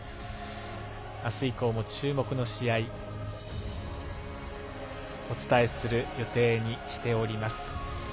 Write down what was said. あす以降も注目の試合をお伝えする予定にしております。